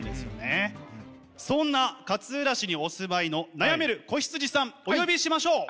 そんな勝浦市にお住まいの悩める子羊さんお呼びしましょう！